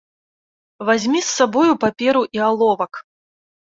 Вазьмі з сабою паперу і аловак.